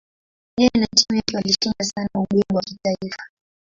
Yeye na timu yake walishinda sana ubingwa wa kitaifa.